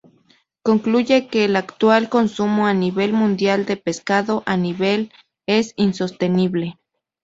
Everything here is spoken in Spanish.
Concluye que el actual consumo a nivel mundial de pescado a nivel es insostenible.